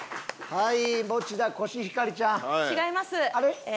はい。